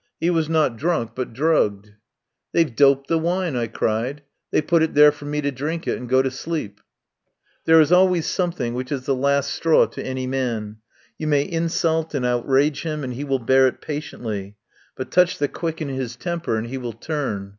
He was not drunk, but drugged. "They've doped the wine," I cried. "They put it there for me to drink it and go to sleep." There is always something which is the last straw to any man. You may insult and outrage him and he will bear it patiently, but touch the quick in his temper and he will turn.